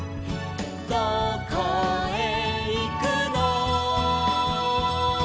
「どこへいくの」